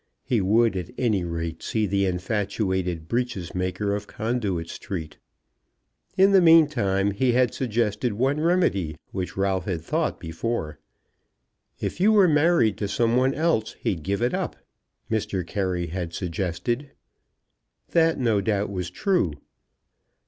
He would, at any rate, see the infatuated breeches maker of Conduit Street. In the meantime he had suggested one remedy of which Ralph had thought before, "If you were married to some one else he'd give it up," Mr. Carey had suggested. That no doubt was true.